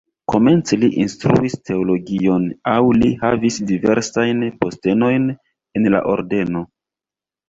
Komence li instruis teologion aŭ li havis diversajn postenojn en la ordeno.